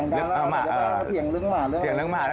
ก็มียิงปืนคู่